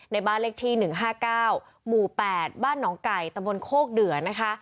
บ้านเลขที่๑๕๙หมู่๘บ้านหนองไก่ตำบลโคกเดือนะคะ